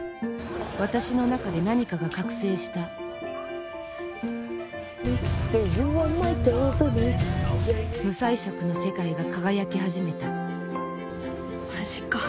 私の中で何かが覚醒した無彩色の世界が輝き始めたマジか。